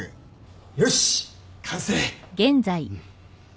よし完成。